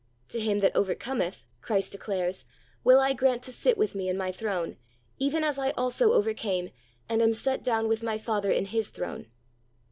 "To him that over cometh," Christ declares, "will I grant to sit with Me in My throne, even as I also overcame, and am set down with My Father in His throne."